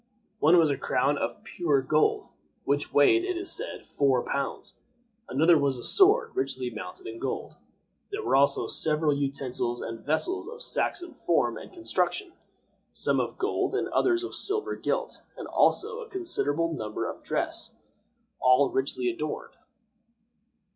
One was a crown of pure gold, which weighed, it is said, four pounds. Another was a sword, richly mounted in gold. There were also several utensils and vessels of Saxon form and construction, some of gold and others of silver gilt, and also a considerable number of dresses, all very richly adorned.